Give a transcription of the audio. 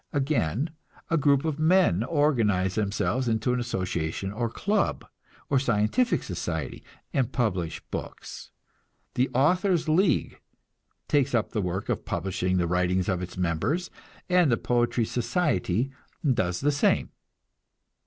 Again, a group of men organize themselves into an association, or club, or scientific society, and publish books. The Authors' League takes up the work of publishing the writings of its members, and the Poetry Society does the same.